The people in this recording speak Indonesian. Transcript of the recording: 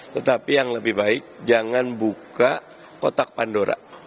tetapi yang lebih baik jangan buka kotak pandora